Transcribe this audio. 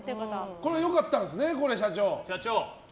これは良かったんですね、社長。